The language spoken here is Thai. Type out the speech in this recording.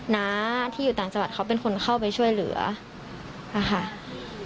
น้าที่อยู่ต่างจังหวัดเขาเป็นคนเข้าไปช่วยเหลือนะคะ